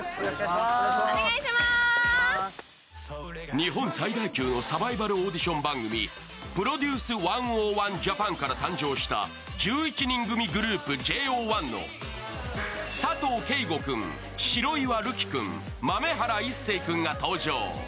日本最大級のサバイバルオーディション番組、「ＰＲＯＤＵＣＥ１０１ＪＡＰＡＮ」から誕生した１１人組グループＪ０１の佐藤景瑚君、白岩瑠姫君、豆原一成君が登場。